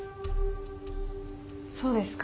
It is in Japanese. そうですか。